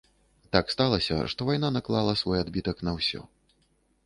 Так сталася, што вайна наклала свой адбітак на ўсё.